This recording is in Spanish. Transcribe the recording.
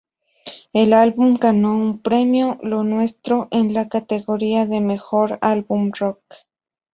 El álbum ganó un Premio Lo Nuestro en la categoría de "Mejor Álbum Rock".